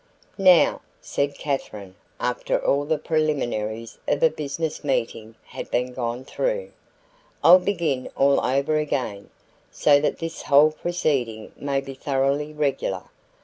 "Now," said Katherine after all the preliminaries of a business meeting had been gone through, "I'll begin all over again, so that this whole proceeding may be thoroughly regular.